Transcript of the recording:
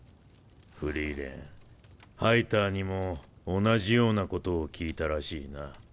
フリーレンハイターにも同じようなことを聞いたらしいな。